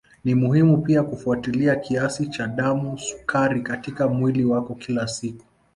Ni muhimu pia kufuatilia kiasi cha damu sukari katika mwili wako kila siku